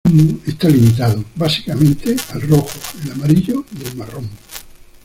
El cromatismo está limitado, básicamente, al rojo, el amarillo y el marrón.